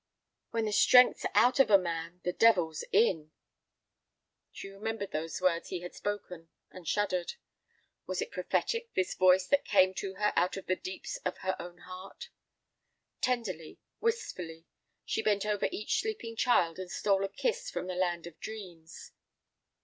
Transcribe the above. "When the strength's out of a man, the devil's in." She remembered those words he had spoken, and shuddered. Was it prophetic, this voice that came to her out of the deeps of her own heart? Tenderly, wistfully, she bent over each sleeping child, and stole a kiss from the land of dreams.